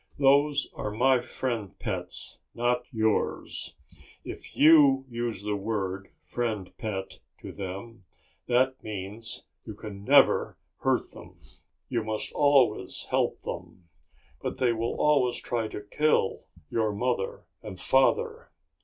Those are my friend pets, not yours. If you use the word 'friend pet' to them, that means you can never hurt them. You must always help them. But they will always try to kill your mother and father.